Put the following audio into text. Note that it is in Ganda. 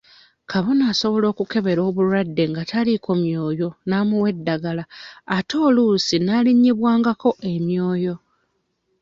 Kabona asobola okukebera obulwadde nga taliiko myoyo n'amuwa eddagala ate oluusi alinnyibwangako emyoyo.